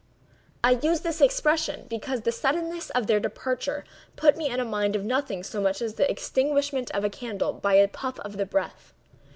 I use this expression, because the suddenness of their departure put me in mind of nothing so much as the extinguishment of a candle by a puff of the breath.